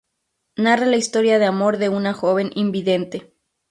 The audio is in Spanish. Narra la historia de amor de una joven invidente.